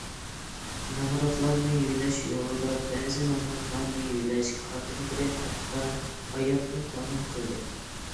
نامراتلارنى يۆلەش يولىدا، بەزى نامراتلارنى يۆلەش كادىرلىرى ھەتتا ھاياتىنى تەقدىم قىلدى.